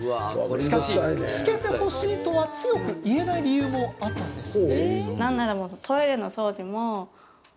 しかし、つけてほしいと強く言えない理由がありました。